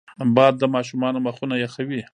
باد د ماشومانو مخونه یخوي